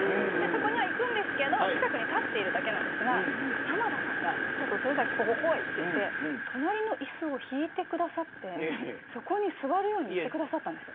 そこに行くんですけど近くに立ってるだけなんですが浜田さんがちょっとここに来いと言って隣の椅子を引いてくださってそこに座るように言ってくださったんです。